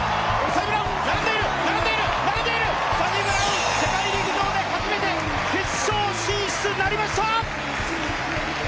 サニブラウン、世界陸上で初めて決勝進出なりました。